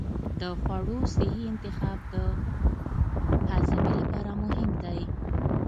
د خوړو صحي انتخاب د هاضمې لپاره مهم دی.